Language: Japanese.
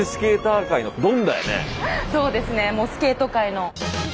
そうですねもうスケート界の。